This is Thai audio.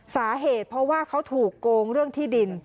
สาเหตุเพราะว่าเขาถูกโกงเรื่องที่ดิน